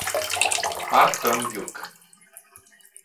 Park Dong-hyuk